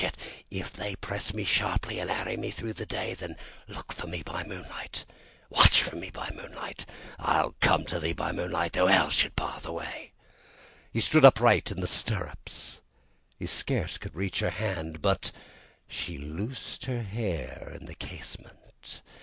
Yet if they press me sharply, and harry me through the day, Then look for me by moonlight, Watch for me by moonlight, I'll come to thee by moonlight, though hell should bar the way." He stood upright in the stirrups; he scarce could reach her hand, But she loosened her hair in the casement!